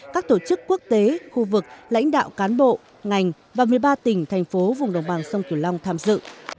các tổ chức quốc tế khu vực lãnh đạo cán bộ ngành và một mươi ba tỉnh thành phố vùng đồng bằng sông kiều long tham dự